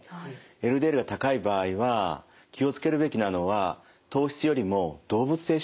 ＬＤＬが高い場合は気を付けるべきなのは糖質よりも動物性脂肪なんです。